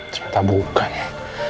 ternyata bukan ya